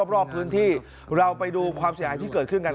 รอบพื้นที่เราไปดูความเสียหายกันครับ